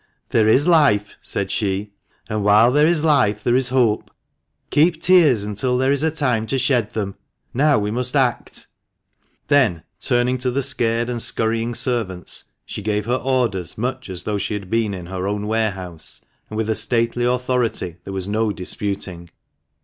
"There is life," said she, "and while there is life there is hope. Keep tears until there is time to shed them ; now we must act." Then, turning to the scared and scurrying servants, she gave her orders much as though she had been in her own warehouse, and with a stately authority there was no disputing.